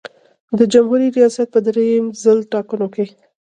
د جمهوري ریاست په دریم ځل ټاکنو کې.